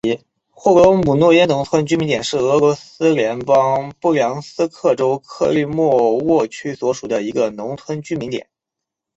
霍罗姆诺耶农村居民点是俄罗斯联邦布良斯克州克利莫沃区所属的一个农村居民点。